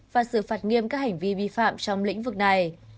và sự phạt nghiêm các hành vi bi phạm trong lĩnh vực này